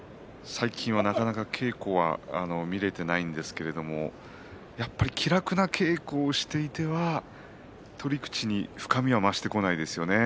最近は稽古が見れてないんですけれども気楽な稽古をしていては取り口に深みは増してこないですよね。